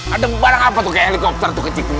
ada barang apa tuh kayak helikopter tuh kecil